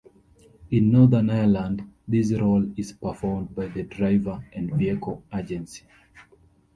In Northern Ireland this role is performed by the Driver and Vehicle Agency.